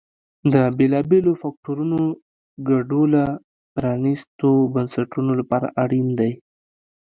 د بېلابېلو فکټورونو ګډوله پرانیستو بنسټونو لپاره اړین دي.